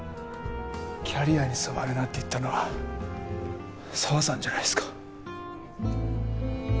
キャリアに染まるなって言ったのは爽さんじゃないですか。